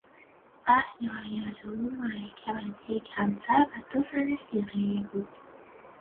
اهل و عیال او مرکب از یک همسر و دو زن صیغهای بود.